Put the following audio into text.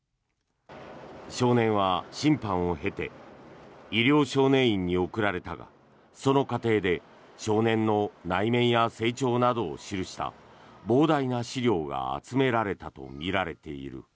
少年は審判を経て医療少年院に送られたがその過程で少年の内面や成長などを記した膨大な資料が集められたとみられている。